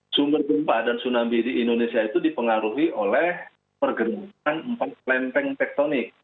sumber gempa dan tsunami di indonesia itu dipengaruhi oleh pergerakan empat lempeng tektonik